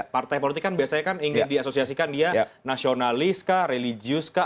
partai politik kan biasanya kan ingin diasosiasikan dia nasionalis kah religius kah